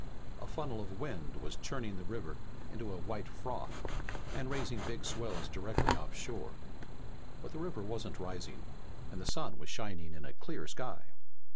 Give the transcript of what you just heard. A funnel of wind was churning the river into a white froth and raising big swells directly offshore. But the river wasn't rising and the sun was shining in a clear sky.